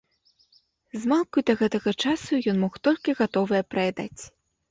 Змалку і да гэтага часу ён мог толькі гатовае праядаць.